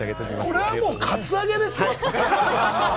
これはカツアゲですよ。